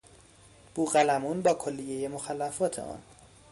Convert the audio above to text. بوقلمون با کلیهی مخلفات آن